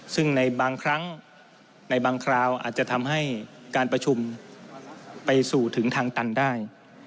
ซึ่งในบางครั้งในบางคราวอาจจะทำให้การประชุมไปสู่ถึงทางตันได้